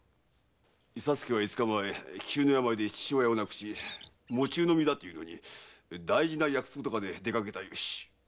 伊左助は五日前急な病で父親を亡くし喪中の身だというのに大事な約束とかで出かけたよし。